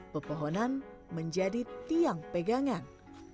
pepohonan menjadi tiang pegangan